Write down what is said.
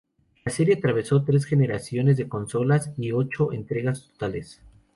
La serie atravesó tres generaciones de consolas y ocho entregas totales.